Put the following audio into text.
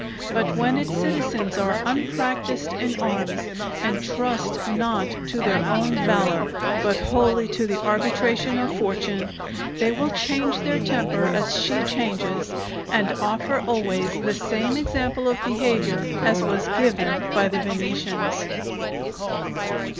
But when its citizens are unpractised in arms, and trust not to their own valour but wholly to the arbitration of Fortune, they will change their temper as she changes, and offer always the same example of behaviour as was given by the Venetians.